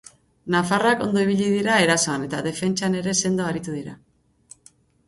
Nafarrak ondo ibili dira erasoan, eta defentsan ere sendo aritu dira.